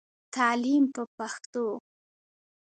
تعليم په پښتو.